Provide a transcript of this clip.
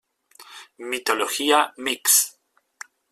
Mitología Mixe.